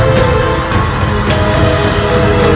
yang terkait dengan